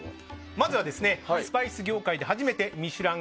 まずはスパイス業界で初めて「ミシュラン」